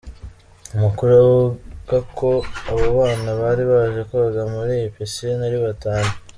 Amakuru avuga ko abo bana bari baje koga muri iyi piscine ari batanu.